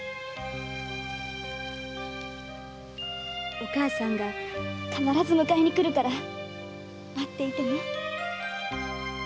お母さんが必ず迎えに来るから待っていてね。